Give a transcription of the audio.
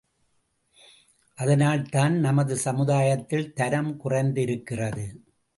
அதனால்தான் நமது சமுதாயத்தில் தரம் குறைந்திருக்கிறது.